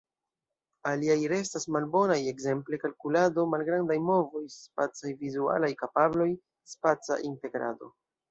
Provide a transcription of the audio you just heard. Aliaj restas malbonaj, ekzemple kalkulado, malgrandaj movoj, spacaj-vizualaj kapabloj, spaca integrado.